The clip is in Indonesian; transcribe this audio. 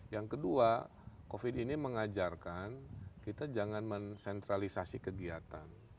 yang kedua covid ini mengajarkan kita jangan mensentralisasi kegiatan